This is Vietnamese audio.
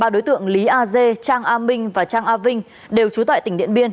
ba đối tượng lý a dê trang a minh và trang a vinh đều trú tại tỉnh điện biên